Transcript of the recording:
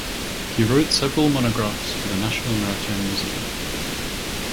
He wrote several monographs for the National Maritime Museum.